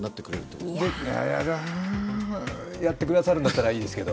うん、やってくださるんだったらいいですけど。